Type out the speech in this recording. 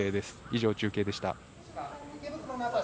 以上、中継でした。